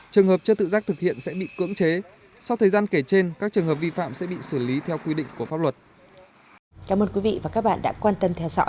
sau thời gian kể trên các trường hợp vi phạm sẽ bị xử lý theo quy định của pháp luật